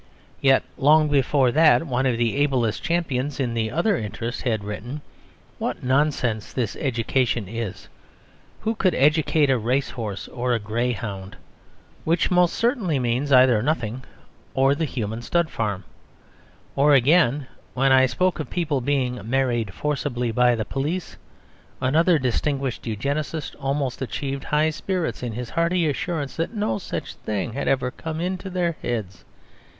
Yet long before that one of the ablest champions in the other interest had written "What nonsense this education is! Who could educate a racehorse or a greyhound?" Which most certainly either means nothing, or the human stud farm. Or again, when I spoke of people "being married forcibly by the police," another distinguished Eugenist almost achieved high spirits in his hearty assurance that no such thing had ever come into their heads.